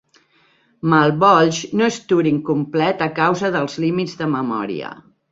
Malbolge no és Turing complet a causa dels límits de memòria.